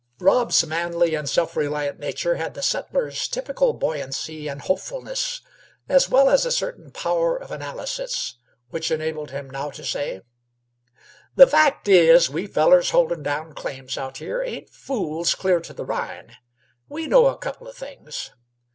Rob's manly and self reliant nature had the settler's typical buoyancy and hopefulness, as well as a certain power of analysis, which enabled him now to say: "The fact is, we fellers holdin' down claims out here ain't fools clear to the rine. We know a couple o' things.